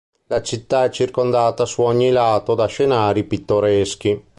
La città è circondata su ogni lato da scenari pittoreschi.